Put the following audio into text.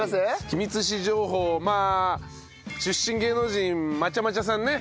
君津市情報まあ出身芸能人まちゃまちゃさんね